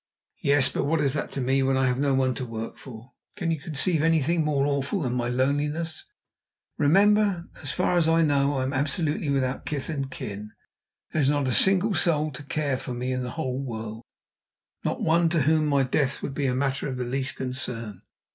"Yes, but what is that to me when I have no one to work for? Can you conceive anything more awful than my loneliness? Remember, as far as I know I am absolutely without kith and kin. There is not a single soul to care for me in the whole world not one to whom my death would be a matter of the least concern."